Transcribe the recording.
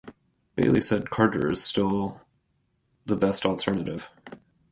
Bailey said Carter is still the best alternative.